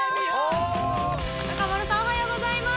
中丸さん、おはようございます。